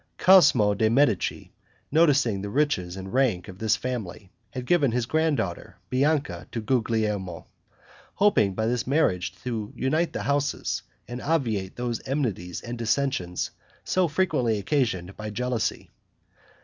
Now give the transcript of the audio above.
Cosmo de' Medici, noticing the riches and rank of this family, had given his granddaughter, Bianca, to Guglielmo, hoping by this marriage to unite the houses, and obviate those enmities and dissensions so frequently occasioned by jealousy.